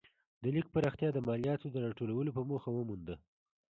د لیک پراختیا د مالیاتو د راټولولو په موخه ومونده.